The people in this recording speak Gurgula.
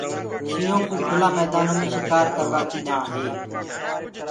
شيِنهو ڪوُ ڪُلآ ميدآنو مي شڪآر ڪروآ ڪي ڏآنهنٚ هي۔